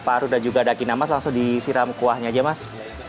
mas ada juga daging namas langsung disiram kuahnya aja mas